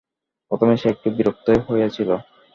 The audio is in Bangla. প্রথমে সে একটু বিরক্তই হইয়াছিল।